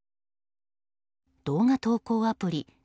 動画投稿アプリ